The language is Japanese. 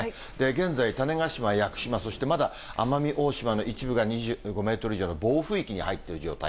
現在、種子島・屋久島、そしてまだ奄美大島の一部が、２５メートル以上の暴風域に入ってる状態。